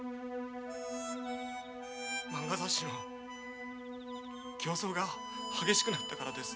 まんが雑誌の競争が激しくなったからです。